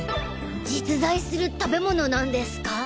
実在する食べ物なんですか？